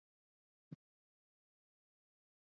tofauti kati ya utegemezi wa kimwili na wa kisaikolojia kiakili